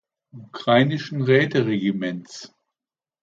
Ukrainischen Räte-Regiments.